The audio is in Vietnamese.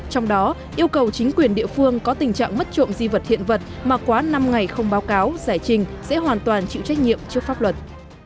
trong đó yêu cầu chính quyền địa phương có tình trạng mất trộm di vật hiện vật mà quá năm ngày không báo cáo giải trình sẽ hoàn toàn chịu trách nhiệm trước pháp luật